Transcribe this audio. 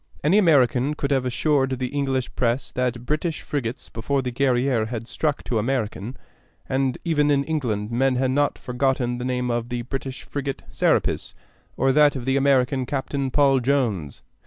Any American could have assured the English press that British frigates before the Guerrière had struck to American; and even in England men had not forgotten the name of the British frigate Serapis, or that of the American captain Paul Jones.